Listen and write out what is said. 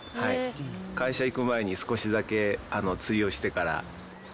会社行く前に少しだけ釣りをしてから。